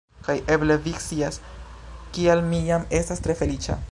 Kaj eble vi scias kial mi jam estas tre feliĉa